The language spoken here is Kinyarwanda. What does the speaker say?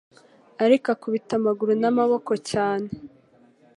ariko ukubita amaguru n'amaboko cyane